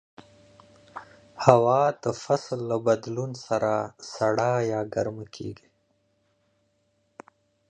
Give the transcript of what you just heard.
هوا د فصل له بدلون سره سړه یا ګرمه کېږي